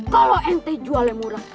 kalo ente jual yang murah